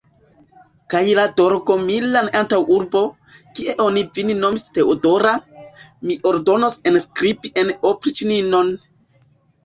Kaj la Dorogomilan antaŭurbon, kie oni vin nomis Teodora, mi ordonos enskribi en opriĉninon!